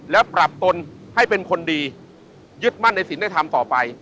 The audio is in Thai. และปรับตนให้เป็นคนดียึดมั่นในศิลป์ได้ทำต่อไป